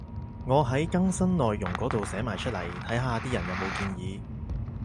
我喺更新內容嗰度寫埋出嚟，睇下啲人有冇建議